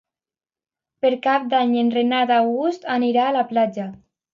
Per Cap d'Any en Renat August anirà a la platja.